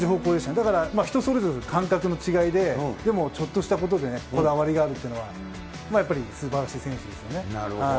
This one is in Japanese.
だから人それぞれ、感覚の違いで、でも、ちょっとしたことでね、こだわりがあるというのは、やっぱり、すばらしい選手ですよなるほど。